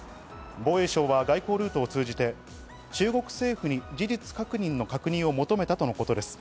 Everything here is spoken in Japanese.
防衛省は外交ルートを通じて中国政府に事実関係の確認を求めたとのことです。